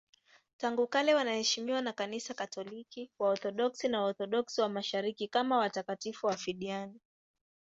Tangu kale wanaheshimiwa na Kanisa Katoliki, Waorthodoksi na Waorthodoksi wa Mashariki kama watakatifu wafiadini.